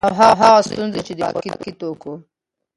او هغه ستونزي چي د خوراکي توکو